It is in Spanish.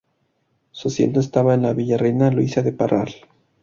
Su asiento estaba en la Villa Reina Luisa de Parral.